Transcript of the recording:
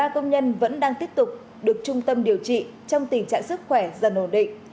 ba công nhân vẫn đang tiếp tục được trung tâm điều trị trong tình trạng sức khỏe dần ổn định